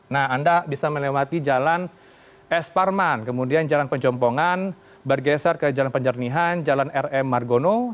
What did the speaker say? nah anda bisa melewati jalan es parman kemudian jalan penjompongan bergeser ke jalan penjernihan jalan rm margono